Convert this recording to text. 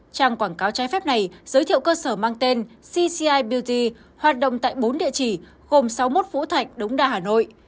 trang quảng cáo trái phép này giới thiệu cơ sở mang tên cci beauty hoạt động tại bốn địa chỉ gồm sáu mươi một phú thạnh đống đa hà nội